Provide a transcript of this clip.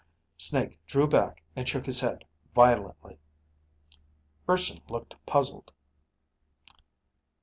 Snake drew back and shook his head violently. Urson looked puzzled.